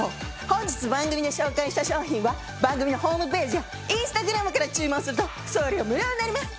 本日番組で紹介した商品は番組のホームページやＩｎｓｔａｇｒａｍから注文すると送料無料になります。